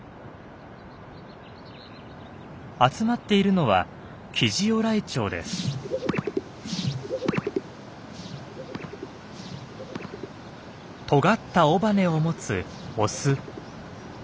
集まっているのはとがった尾羽を持つオス。